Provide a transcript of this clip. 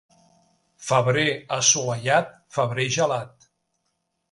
Febrer assolellat, febrer gelat.